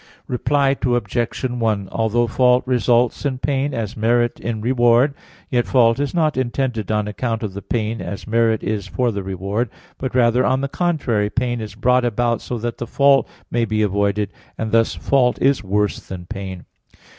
Reply Obj. 1: Although fault results in pain, as merit in reward, yet fault is not intended on account of the pain, as merit is for the reward; but rather, on the contrary, pain is brought about so that the fault may be avoided, and thus fault is worse than pain.